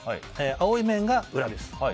青い面が裏です。